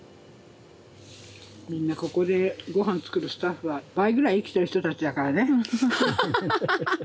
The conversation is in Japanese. みんなここでごはん作るスタッフは倍ぐらい生きてる人たちだからね。